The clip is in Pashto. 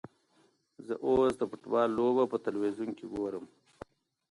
زه اوس د فوټبال لوبه په تلویزیون کې ګورم.